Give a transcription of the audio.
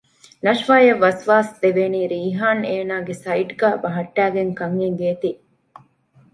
ނަޝްވާ އަށް ވަސްވާސް ދެވޭނީ ރީހާން އޭނާގެ ސައިޑްގައި ބަހައްޓައިގެން ކަން އެނގޭތީ